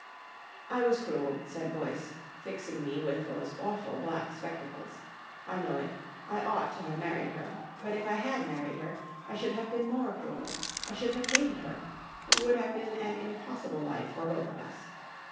"I was cruel," said Boyce, fixing me with those awful black spectacles, "I know it. I ought to have married her. But if I had married her, I should have been more cruel. I should have hated her. It would have been an impossible life for both of us.